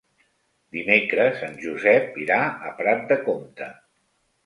Dimecres en Josep irà a Prat de Comte.